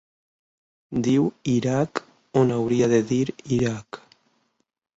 Diu ‘Irak’ on hauria de dir ‘Iraq’.